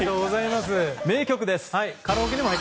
名曲です。